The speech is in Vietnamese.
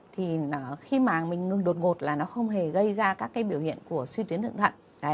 thì khi mà mình ngừng đột ngột là nó không hề gây ra các cái biểu hiện của suy tuyến thượng thận